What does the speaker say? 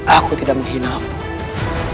aku tidak menghina mu